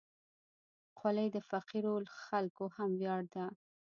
خولۍ د فقیرو خلکو هم ویاړ ده.